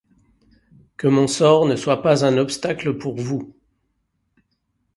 Que mon sort ne soit pas un obstacle pour vous.